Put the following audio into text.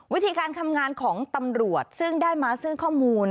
วิธีการทำงานของตำรวจซึ่งได้มาซึ่งข้อมูล